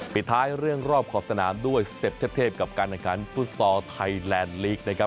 ปิดท้ายเรื่องรอบขอบสนามด้วยสเต็ปเทพกับการแข่งขันฟุตซอลไทยแลนด์ลีกนะครับ